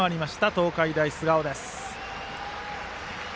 東海大菅生です。